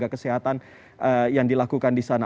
menjaga kesehatan yang dilakukan di sana